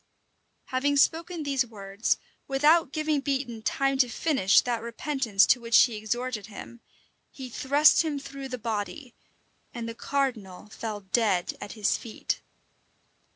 Having spoken these words, without giving Beatoun time to finish that repentance to which he exhorted him, he thrust him through the body; and the cardinal fell dead at his feet.